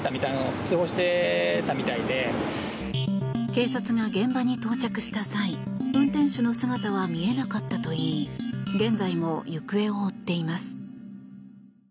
警察が現場に到着した際運転手の姿は見えなかったといい現在も行方を追っています。